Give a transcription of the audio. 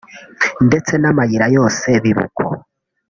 ndetse n’amayira yose biba uko